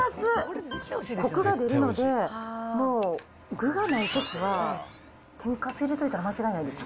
こくが出るので、もう具がないときは天かす入れといたら間違いないです。